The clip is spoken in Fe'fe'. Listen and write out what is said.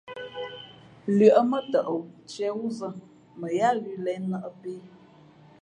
Lʉαʼ mά tαʼ ntīē wúzᾱ mα yáá ghʉ̌ lěn nᾱʼpē.